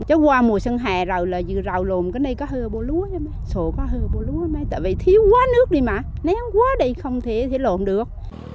chứ qua mùa xuân hè rồi là dự rào lồn cái này có hờ bộ lúa sổ có hờ bộ lúa tại vì thiếu quá nước đi mà nén quá đi không thể lồn được